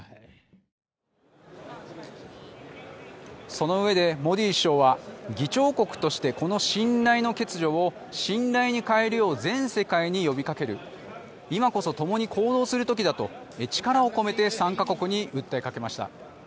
そのうえで、モディ首相は議長国としてこの信頼の欠如を信頼に変えるよう全世界に呼びかける今こそともに行動する時だと力を込めて参加国に訴えかけました。